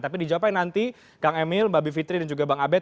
tapi dijawabkan nanti kang emil mbak bivitri dan juga bang abed